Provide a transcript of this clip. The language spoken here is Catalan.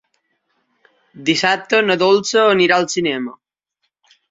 Dissabte na Dolça anirà al cinema.